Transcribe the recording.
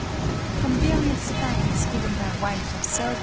From various facts given by White of Selborne (64.